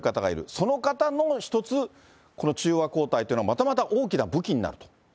その方の一つ、この中和抗体っていうのはまたまた大きな武器になると。